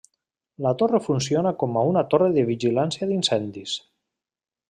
La torre funciona com una torre de vigilància d'incendis.